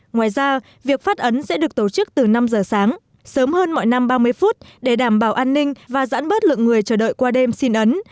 ngoài ra việc phát ấn sẽ được tổ chức từ năm giờ sáng sớm hơn mọi năm ba mươi phút để đảm bảo an ninh và giãn bớt lượng người chờ đợi qua đêm xin ấn